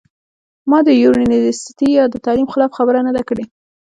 ما د يونيورسټۍ يا د تعليم خلاف خبره نۀ ده کړې